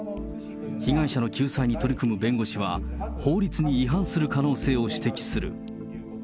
被害者の救済に取り組む弁護士は、法律に違反する可能性を指摘する。